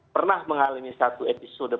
pernah mengalami satu episode